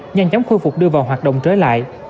nhanh chóng khôi phục đưa vào hoạt động trở lại